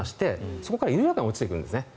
そこから緩やかに落ちていくんですね。